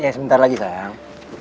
ya sebentar lagi sayang